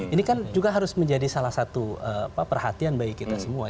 ini kan juga harus menjadi salah satu perhatian bagi kita semua